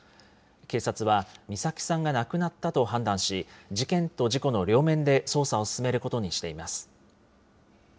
警察は、美咲さんが亡くなったと判断し、事件と事故の両面で捜査を進めることにしています。